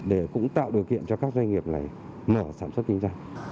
để cũng tạo điều kiện cho các doanh nghiệp này mở sản xuất kinh doanh